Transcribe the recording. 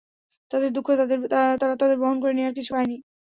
তাদের দুঃখ, তারা তাদের বহন করে নেয়ার কিছু পায়নি।